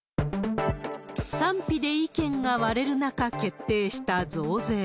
賛否で意見が割れる中、決定した増税。